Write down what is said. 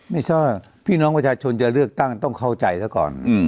ไม่ใช่ว่าพี่น้องประชาชนจะเลือกตั้งต้องเข้าใจซะก่อน